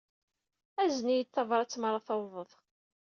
Azen-iyi-d tabṛat mi ara tawḍeḍ.